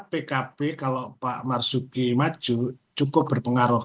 pkb kalau pak marzuki maju cukup berpengaruh